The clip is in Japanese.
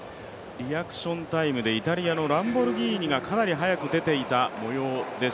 リアクションタイムでイタリアのランボルギーニがかなり早く出ていた模様です。